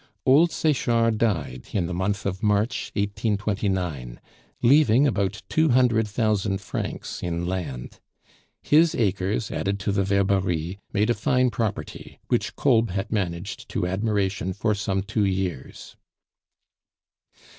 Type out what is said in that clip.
Old Sechard died in the month of March, 1929, leaving about two hundred thousand francs in land. His acres added to the Verberie made a fine property, which Kolb had managed to admiration for some two years.